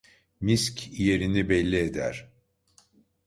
Misk yerini belli eder.